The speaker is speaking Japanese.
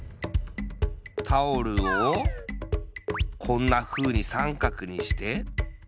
こんなふうにさんかくにして。